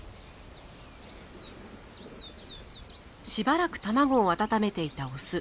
しばらく卵を温めていたオス。